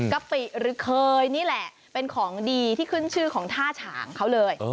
กปิหรือเคยนี่แหละเป็นของดีที่ขึ้นชื่อของท่าฉางเขาเลย